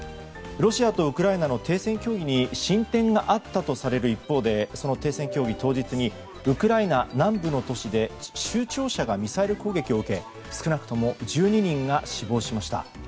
ロシアとウクライナの停戦協議に進展があったとされる一方でその停戦協議当日にウクライナ南部の都市で州庁舎がミサイル攻撃を受け少なくとも１２人が死亡しました。